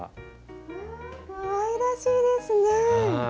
うわぁかわいらしいですね！